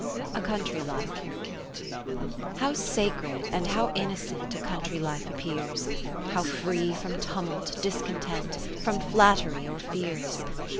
A Country life How sacred and how innocent A country hfe appears, How free from tumult, discontent. From flattery or fears